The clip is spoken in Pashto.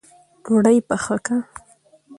ډوډۍ پخه که